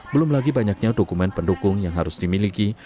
belum lagi banyaknya dokumen pendukung yang harus dimiliki